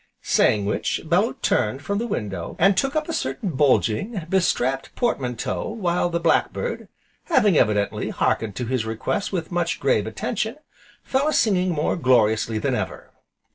Saying which, Bellew turned from the window, and took up a certain bulging, be strapped portmanteau, while the Black bird, (having, evidently, hearkened to his request with much grave attention), fell a singing more gloriously than ever.